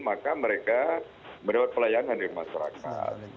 maka mereka mendapat pelayanan dari masyarakat